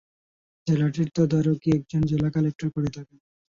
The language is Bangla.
জেলাটির তদারকি একজন জেলা কালেক্টর করে থাকেন।